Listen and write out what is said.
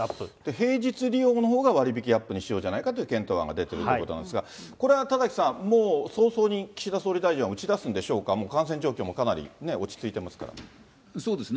平日利用のほうが割引アップにしようじゃないかという検討案が出ているということなんですが、これは田崎さん、もう早々に岸田総理大臣は打ち出すんでしょうか、もう感染状況もそうですね。